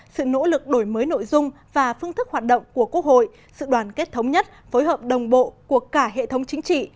sự nỗ lực đổi mới nội dung và phương thức hoạt động của quốc hội sự đoàn kết thống nhất phối hợp đồng bộ của cả hệ thống chính trị